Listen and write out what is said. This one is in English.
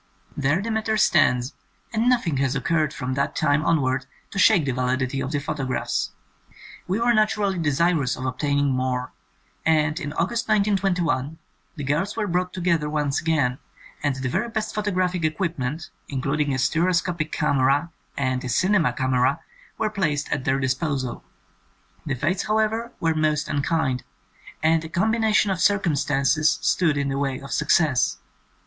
There the matter stands, and nothing has occurred from that time onwards to shake the validity of the photographs. We were naturally desirous of obtaining more, and in August 1921 the girls were brought together once again, and the very best photographic equipment, including a stereoscopic camera and a cinema camera, were placed at their disposal. The Fates, however, were most imkind, and a combination of circumstances stood in the way of success.